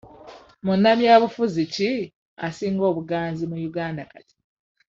Munnabyabufuzi ki asinga obuganzi mu Uganda kati?